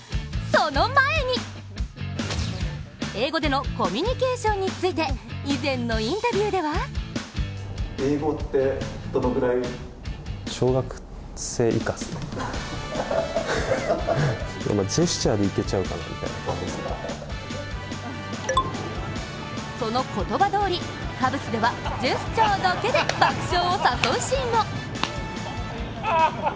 その前に英語でのコミュニケーションについて以前のインタビューではその言葉どおり、カブスではジェスチャーだけで爆笑を誘うシーンも。